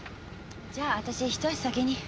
じゃあ私一足先に。